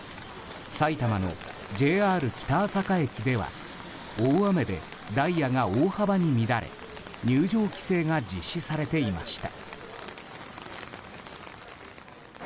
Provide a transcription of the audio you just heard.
埼玉のＪＲ北朝霞駅では大雨でダイヤが大幅に乱れ入場規制が実施されていました。